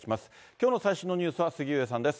きょうの最新のニュースは杉上さんです。